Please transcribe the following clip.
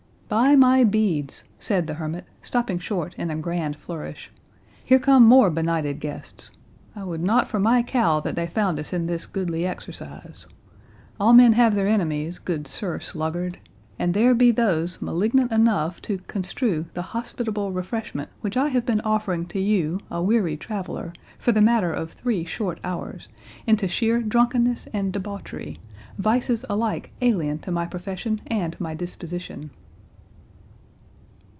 "By my beads," said the hermit, stopping short in a grand flourish, "here come more benighted guests. I would not for my cowl that they found us in this goodly exercise. All men have their enemies, good Sir Sluggard; and there be those malignant enough to construe the hospitable refreshment which I have been offering to you, a weary traveller, for the matter of three short hours, into sheer drunkenness and debauchery, vices alike alien to my profession and my disposition."